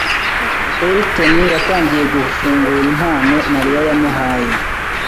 Elton yatangiye gufungura impano Mariya yamuhaye.